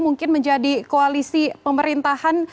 mungkin menjadi koalisi pemerintahan